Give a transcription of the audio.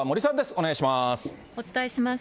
お願いします。